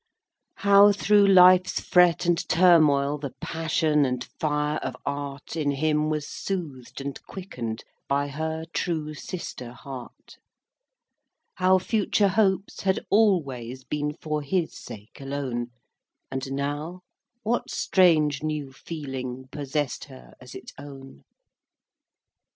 VI. How through life's fret and turmoil The passion and fire of art In him was soothed and quicken'd By her true sister heart; How future hopes had always Been for his sake alone; And now, what strange new feeling Possess'd her as its own?